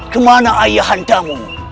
kemana ayah hantamu